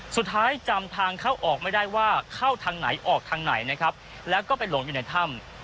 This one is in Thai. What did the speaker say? สุดท้ายจำทางเข้าออกไม่ได้ว่าเข้าทางไหนออกทางไหนนะครับแล้วก็ไปหลงอยู่ในถ้ำ